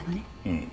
うん。